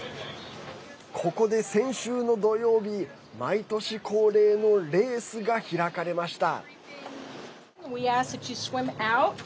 ここで先週の土曜日、毎年恒例のレースが開かれました。